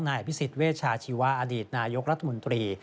นายพิสิทธิ์เวชชาชีวาอดีตนายกรัฐมนตรี